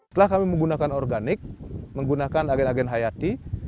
setelah kami menggunakan organik menggunakan agen agen hayati